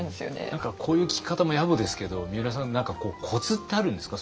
何かこういう聞き方もやぼですけどみうらさん何かコツってあるんですか？